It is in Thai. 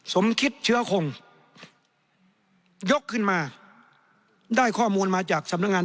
สมคิดเชื้อคงยกขึ้นมาได้ข้อมูลมาจากสำนักงาน